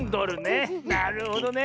なるほどね。